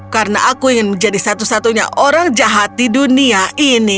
karena aku ingin menjadi satu satunya orang jahat di dunia ini